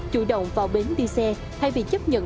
chủ động vào bến đi xe thay vì chấp nhận